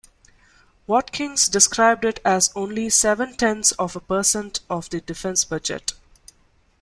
Watkins described it as only seven-tenths of a percent of the defense budget.